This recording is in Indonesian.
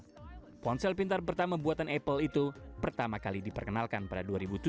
ponsel pintar pertama buatan apple itu pertama kali diperkenalkan pada dua ribu tujuh